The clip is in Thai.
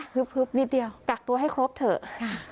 พึบนิดเดียวค่ะนิดเดียวกักตัวให้ครบเถอะ